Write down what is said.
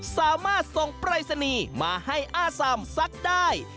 สามารถส่งปรายสนีมาให้อาสัมซักได้